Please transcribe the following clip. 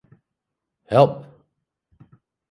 Help.